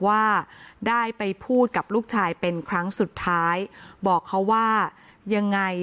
ว่าได้ไปพูดกับลูกชายเป็นครั้งสุดท้ายบอกเขาว่ายังไง